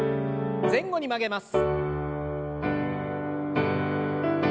前後に曲げます。